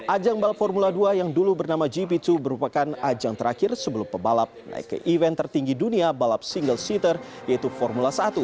ajang balap formula dua yang dulu bernama gp dua merupakan ajang terakhir sebelum pebalap naik ke event tertinggi dunia balap single seater yaitu formula satu